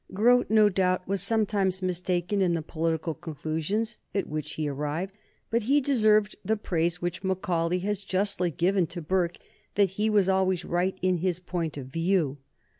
Grote, no doubt, was sometimes mistaken in the political conclusions at which he arrived, but he deserved the praise which Macaulay has justly given to Burke, that he was always right in his point of view.